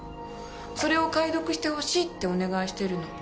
それを解読して欲しいってお願いしてるの。